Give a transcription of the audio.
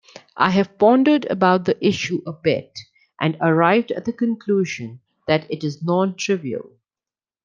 I have pondered about the issue a bit and arrived at the conclusion that it is non-trivial.